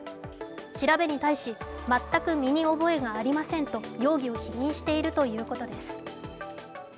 調べに対し、全く身に覚えがありませんと容疑を否認しているということです。